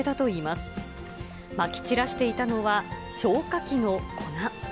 まき散らしていたのは、消火器の粉。